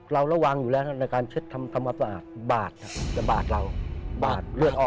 เราระวังอยู่แล้วนะในการเช็ดทำอำปะอาด